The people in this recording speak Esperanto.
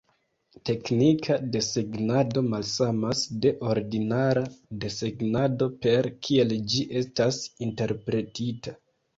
Teknika desegnado malsamas de ordinara desegnado per kiel ĝi estas interpretita.